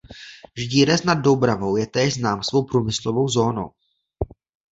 Ždírec nad Doubravou je též znám svou průmyslovou zónou.